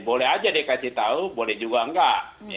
boleh saja dikasih tahu boleh juga tidak